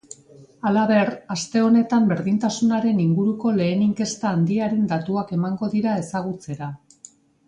Halaber, aste honetan berdintasunaren inguruko lehen inkesta handiaren datuak emango dira ezagutzera.